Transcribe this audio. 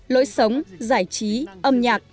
lối sống giải trí âm nhạc